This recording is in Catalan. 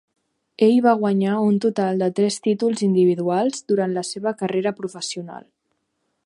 Ell va guanyar un total de tres títols individuals durant la seva carrera professional.